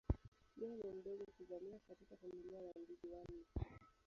Yeye ni mdogo kuzaliwa katika familia ya ndugu wanne.